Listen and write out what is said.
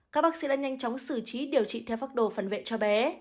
các bác sĩ đã nhanh chóng xử trí điều trị theo pháp đồ phần vệ cho bé